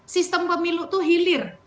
sistem pemilu itu hilir